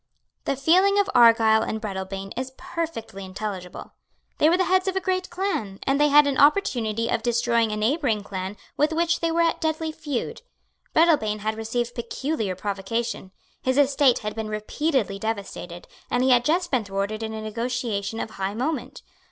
The feeling of Argyle and Breadalbane is perfectly intelligible. They were the heads of a great clan; and they had an opportunity of destroying a neighbouring clan with which they were at deadly feud. Breadalbane had received peculiar provocation. His estate had been repeatedly devastated; and he had just been thwarted in a negotiation of high moment.